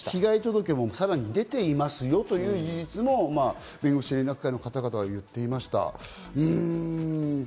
被害届もさらに出ていますよということも弁護士連絡会の方々が言っていました。